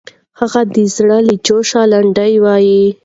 هغه د زړه له جوشه لنډۍ وایي.